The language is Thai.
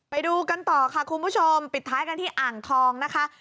ไปดูกันต่อค่ะคุณผู้ชมปิดท้ายกันที่อ่างทองนะคะ